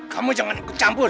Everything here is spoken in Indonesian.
kamu jangan ikut campur